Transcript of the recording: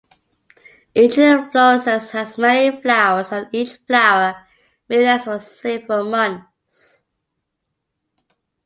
Each inflorescence has many flowers and each flower may last for several months.